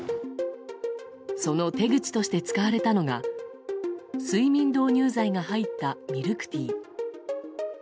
その手口として使われたのが睡眠導入剤が入ったミルクティー。